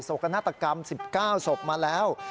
กนาฏกรรม๑๙ศพมาแล้ว